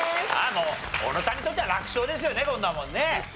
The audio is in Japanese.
もう小野さんにとっては楽勝ですよねこんなもんね。